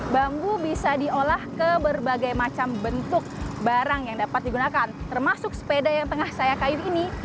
bambu bisa diolah ke berbagai macam bentuk barang yang dapat digunakan termasuk sepeda yang tengah saya kayu ini